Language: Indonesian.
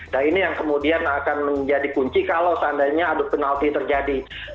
dan ini yang kemudian akan menjadi kunci kalau seandainya adu penalti terjadi